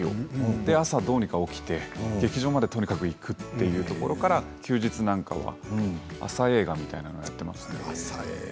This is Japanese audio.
朝どうにか起きて劇場までとにかく行くというところから休日なんかは朝映画みたいなのをやっていましたけれど。